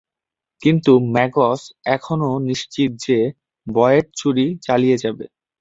কিন্তু ম্যাগস এখনও নিশ্চিত যে বয়েড চুরি চালিয়ে যাবে।